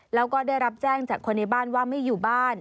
แล้วก็ได้รับแจ้งจากคนในบ้านว่าไม่อยู่บ้าน